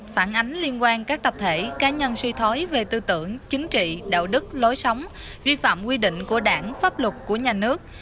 phản ánh liên quan các tập thể cá nhân suy thoái về tư tưởng chính trị đạo đức lối sống vi phạm quy định của đảng pháp luật của nhà nước